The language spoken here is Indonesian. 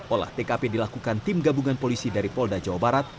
olah tkp dilakukan tim gabungan polisi dari polda jawa barat